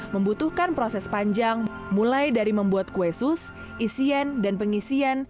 membutuhkan proses panjang mulai dari membuat kue sus isian dan pengisian